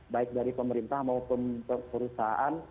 baik dari pemerintah maupun perusahaan